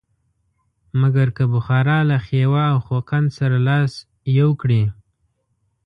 مګر که بخارا له خیوا او خوقند سره لاس یو کړي.